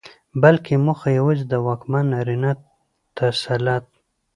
بلکې موخه يواځې د واکمن نارينه تسلط